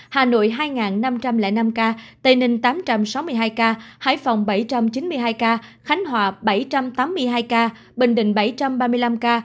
hà nội hai năm trăm linh năm ca tây ninh tám trăm sáu mươi hai ca hải phòng bảy trăm chín mươi hai ca khánh hòa bảy trăm tám mươi hai ca bình định bảy trăm ba mươi năm ca